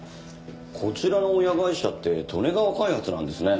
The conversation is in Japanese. こちらの親会社って利根川開発なんですね。